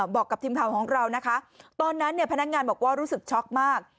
บอกกับทีมข่าวของเรานะคะตอนนั้นเนี่ยพนักงานบอกว่ารู้สึกช็อกมาก